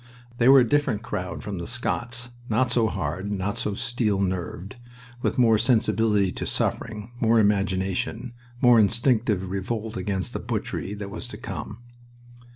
They were a different crowd from the Scots, not so hard, not so steel nerved, with more sensibility to suffering, more imagination, more instinctive revolt against the butchery that was to come.